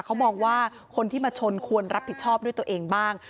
เขามองว่าคนที่มาชนควรรับผิดชอบด้วยตัวเองบ้าง